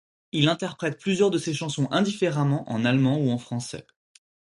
Il interprète plusieurs de ses chansons indifféremment en allemand ou en français.